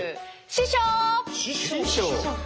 師匠。